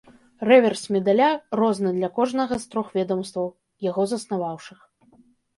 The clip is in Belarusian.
Рэверс медаля розны для кожнага з трох ведамстваў, яго заснаваўшых.